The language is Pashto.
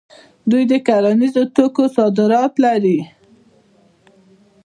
دوی د کرنیزو توکو صادرات لري.